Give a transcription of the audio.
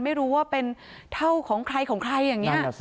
ไม่รู้ว่าเป็นเท่าของใครของใครอย่างนี้